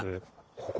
ここ。